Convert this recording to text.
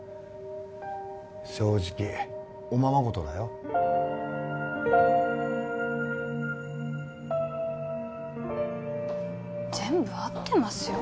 正直おままごとだよ全部合ってますよ